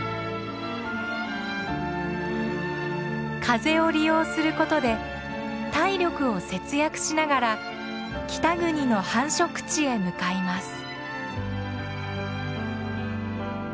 風を利用することで体力を節約しながら北国の繁殖地へ向かいます。